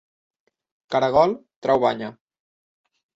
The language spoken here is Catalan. Caragol, treu banya...!